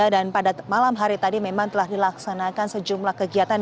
dan pada malam hari tadi memang telah dilaksanakan sejumlah kegiatan